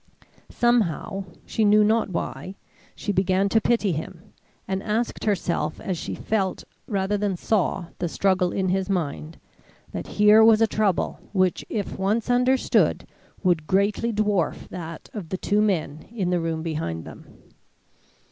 Somehow she knew not why she began to pity him, and asked herself as she felt rather than saw the struggle in his mind, that here was a trouble which if once understood would greatly dwarf that of the two men in the room behind them.